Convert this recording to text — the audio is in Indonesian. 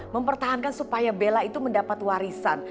mempertahankan supaya bella itu mendapat warisan